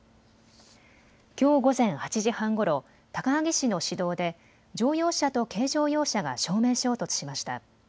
きょう午前８時半ごろ、高萩市の市道で乗用車と軽乗用車が正面衝突しました。